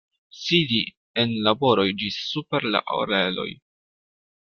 Sidi en laboroj ĝis super la oreloj.